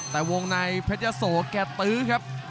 แต่วงในเพชรยะโสแกตื้อครับ